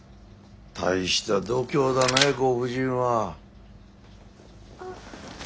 大した度胸だねご婦人は。